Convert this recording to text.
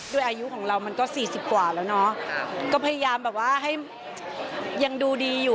ด้วยอายุของเรามันก็สี่สิบกว่าแล้วเนอะก็พยายามแบบว่าให้ยังดูดีอยู่